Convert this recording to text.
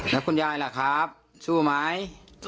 แล้วคุณยายล่ะครับสู้ไหม